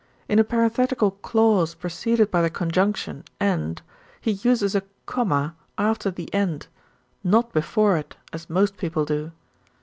In a parenthetical clause preceded by the conjunction 'and,' he uses a comma after the 'and,' not before it as most people do.